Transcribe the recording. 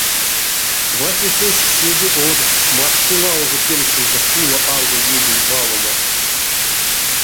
Васенцесь седе од, машты лаужа кельсэнзэ пуло алга ведень валомо.